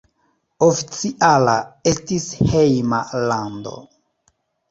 Oficiala estis hejma lando.